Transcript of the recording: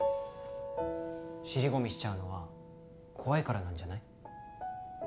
尻込みしちゃうのは怖いからなんじゃない？